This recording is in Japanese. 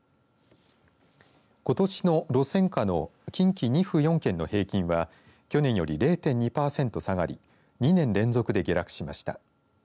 ことしの路線価の近畿２府４県の平均は去年より０．２パーセント下がり２年連続で下落しました。